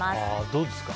どうですか？